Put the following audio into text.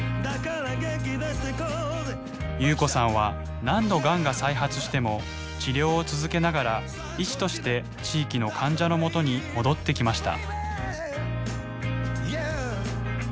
夕子さんは何度がんが再発しても治療を続けながら医師として地域の患者のもとに戻ってきました。